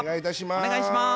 お願いします。